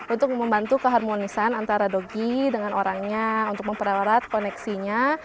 untuk membantu keharmonisan antara dogi dengan orangnya untuk memperalat koneksinya